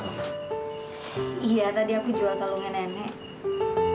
iya tadi aku jual tolongin nenek